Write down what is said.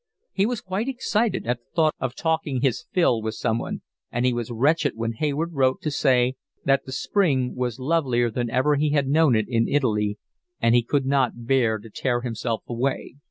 He was quite excited at the thought of talking his fill with someone, and he was wretched when Hayward wrote to say that the spring was lovelier than ever he had known it in Italy, and he could not bear to tear himself away.